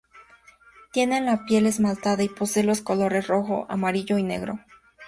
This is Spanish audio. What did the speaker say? Tienen la piel esmaltada y poseen los colores rojo, amarillo y negro.